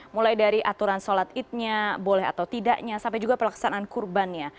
mulai dari aturan sholat idnya boleh atau tidaknya sampai juga pelaksanaan kurbannya